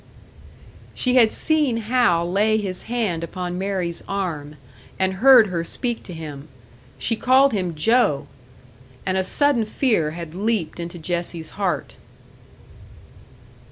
She had seen Hal lay his hand upon Mary's arm, and heard her speak to him. She called him Joe! And a sudden fear had leaped into Jessie's heart.